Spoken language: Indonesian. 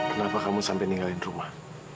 kenapa kamu sampai ninggalin rumah